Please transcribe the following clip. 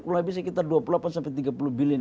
kurang lebih sekitar dua puluh delapan tiga puluh bilion usd